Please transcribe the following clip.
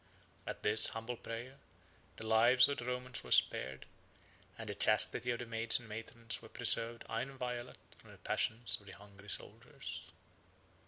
At his humble prayer, the lives of the Romans were spared; and the chastity of the maids and matrons was preserved inviolate from the passions of the hungry soldiers.